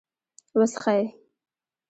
.وڅښئ